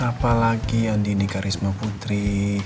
apalagi andi ini karisma putri